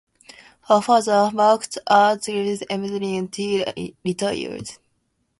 Her father Ranjith worked at Czechoslovakian Embassy until retired.